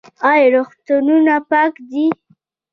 آیا روغتونونه پاک دي؟